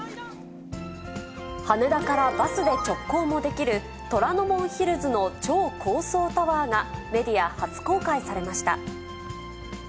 羽田からバスで直行もできる虎ノ門ヒルズの超高層タワーが、メディア初公開されました。